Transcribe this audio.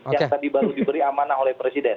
yang tadi baru diberi amanah oleh presiden